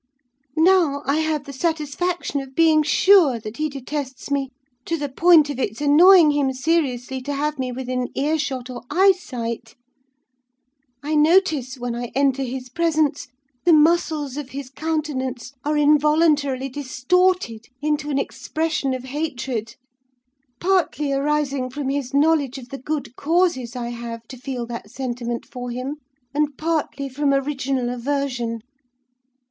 Now, I have the satisfaction of being sure that he detests me, to the point of its annoying him seriously to have me within ear shot or eyesight: I notice, when I enter his presence, the muscles of his countenance are involuntarily distorted into an expression of hatred; partly arising from his knowledge of the good causes I have to feel that sentiment for him, and partly from original aversion.